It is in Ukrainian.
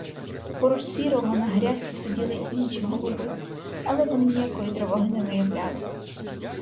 Поруч сірого на грядці сиділи інші голуби, але вони ніякої тривоги не виявляли.